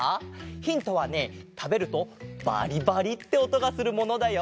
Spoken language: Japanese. ヒントはねたべるとバリバリっておとがするものだよ！